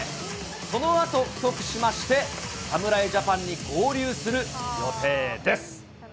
そのあと、帰国しまして、侍ジャパンに合流する予定です。